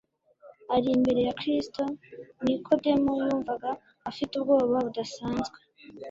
Ar’imbere ya Kristo, Nikodemo yumvaga afite ubwoba budasanzwe,